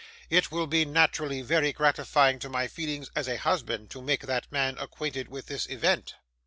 It will be naterally very gratifying to my feelings as a husband, to make that man acquainted with this ewent.